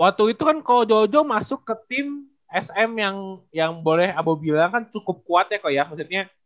waktu itu kan kodjojo masuk ke tim sm yang boleh abu bilang kan cukup kuat ya kok ya maksudnya